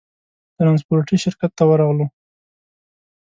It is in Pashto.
ترانسپورټي شرکت ته ورغلو.